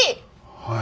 はい。